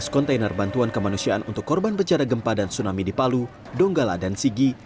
lima belas kontainer bantuan kemanusiaan untuk korban bencana gempa dan tsunami di palu donggala dan sigi